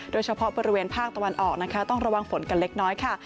โดยเฉพาะบริเวณภาคตะวันออกนะคะต้องระวังฝนกันเล็กน้อยค่ะ